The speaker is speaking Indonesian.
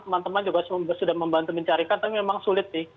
teman teman juga sudah membantu mencarikan tapi memang sulit nih